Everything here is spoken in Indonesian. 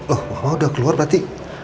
oh wah udah keluar berarti